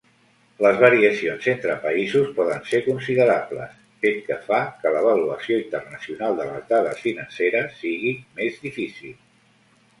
Les variacions entre països poden ser considerables, fet que fa que l'avaluació internacional de les dades financeres sigui més difícil.